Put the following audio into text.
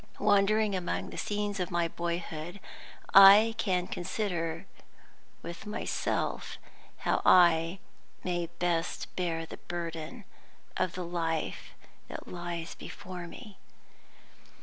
Wandering among the scenes of my boyhood, I can consider with myself how I may best bear the burden of the life that lies before me.